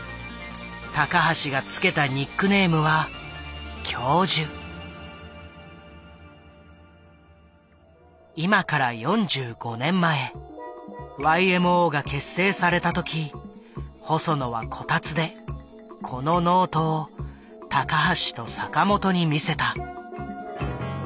高橋が付けたニックネームは今から４５年前ＹＭＯが結成された時細野はこたつでこのノートを高橋と坂本に見せた。